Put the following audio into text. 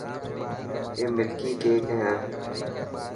اي ملڪي ڪيڪ هي.